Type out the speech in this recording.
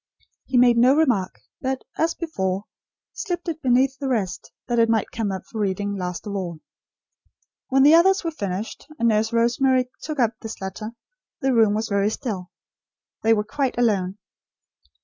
He made no remark; but, as before, slipped it beneath the rest, that it might come up for reading, last of all. When the others were finished, and Nurse Rosemary took up this letter, the room was very still. They were quite alone.